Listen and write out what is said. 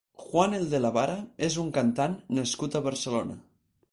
Juan el de la Vara és un cantant nascut a Barcelona.